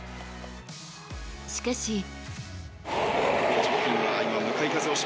しかし。